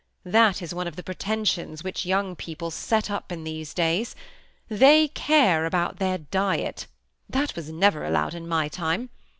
That is one c^ the ]|M:^etensions which young people set up in these days ; they care about their diet; thai was never allowed in my time.